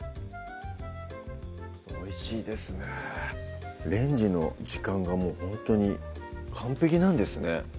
おいしいですねレンジの時間がもうほんとに完璧なんですね